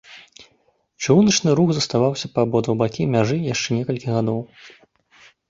Чыгуначны рух заставаўся па абодва бакі мяжы яшчэ некалькі гадоў.